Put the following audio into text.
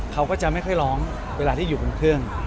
เขาก็จะไม่ค่อยร้องเวลาที่อยู่บนเครื่อง